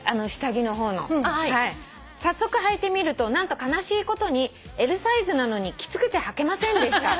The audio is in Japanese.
「早速はいてみると何と悲しいことにＬサイズなのにきつくてはけませんでした」